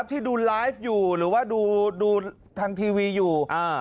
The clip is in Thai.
ตรงที่ดูไลฟ์อยู่ดูทางทีวีอยู่